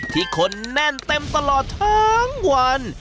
ที่คนแน่นเต็มตลอดทั้งวัน